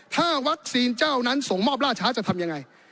ถ้าวัคซีนเจ้านั้นส่งมอบล่าช้าจะทำยังไง